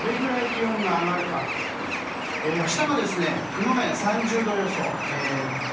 どれぐらい気温が上がるか、明日が熊谷３０度予想。